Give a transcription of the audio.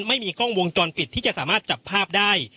ไม่มีกล้องวงจรปิดที่จะสามารถจับภาพได้